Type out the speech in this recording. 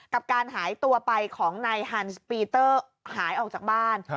กับการหายตัวไปของนายฮันส์ปีเตอร์หายออกจากบ้าน